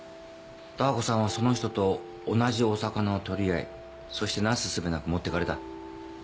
ダー子さんはその人と同じオサカナを取り合いそしてなすすべなく持ってかれた。